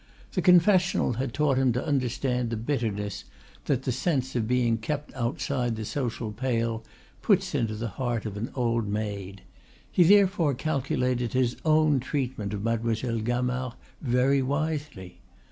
The confessional had taught him to understand the bitterness that the sense of being kept outside the social pale puts into the heart of an old maid; he therefore calculated his own treatment of Mademoiselle Gamard very wisely.